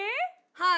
はい。